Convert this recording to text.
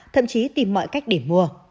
thậm chí tìm mọi cách để mua